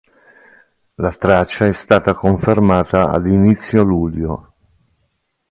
La traccia è stata confermata ad inizio luglio.